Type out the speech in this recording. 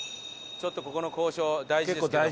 ちょっとここの交渉大事ですけども。